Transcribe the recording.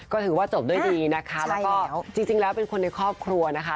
ก็ถือว่าจบด้วยดีนะคะแล้วก็จริงแล้วเป็นคนในครอบครัวนะคะ